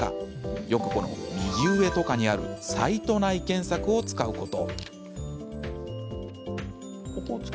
よく右上とかにあるサイト内検索を使うこと。